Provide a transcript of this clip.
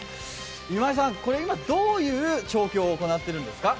今井さん、これ今どういう調教をされてるんですか？